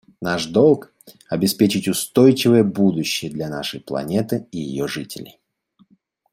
Наш долг — обеспечить устойчивое будущее для нашей планеты и ее жителей.